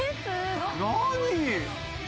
何！？